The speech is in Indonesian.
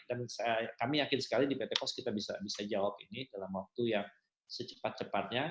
dan kami yakin sekali di pt pos kita bisa jawab ini dalam waktu yang secepat cepatnya